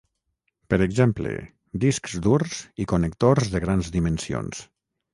Per exemple, discs durs i connectors de grans dimensions.